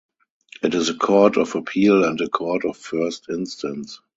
It is a court of appeal and a court of first instance.